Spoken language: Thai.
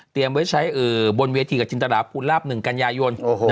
เตรียมไว้ใช้เอ่อบนเวที่กับจินตราพขุนลาบหนึ่งกัญญายน